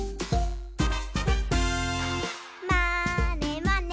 「まーねまね」